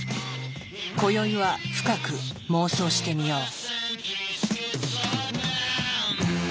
こよいは深く妄想してみよう。